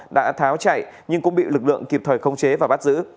đã tháo chạy nhưng cũng bị lực lượng kịp thời khống chế và bắt giữ